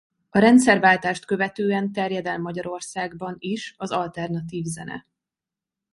A rendszerváltást követően terjed el Magyarországban is az alternatív zene.